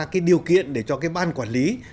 cái điều kiện để cho cái ban quản lý